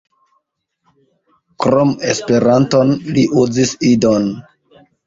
Krom Esperanton, li uzis Idon.